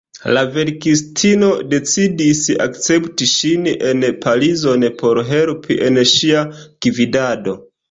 La verkistino decidis akcepti ŝin en Parizon por helpi en ŝia gvidado.